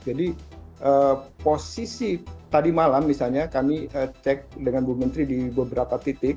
jadi posisi tadi malam misalnya kami cek dengan bu menteri di beberapa titik